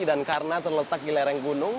dan karena terletak di lereng gunung